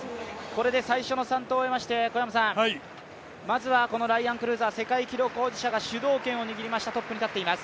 これで最初の３投を終えましてまずはライアン・クルーザー、世界記録保持者が主導権を握っています。